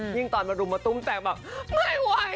ยิ่งตอนมารุมมาตุ้มแต่งแบบไม่ไหวแล้ว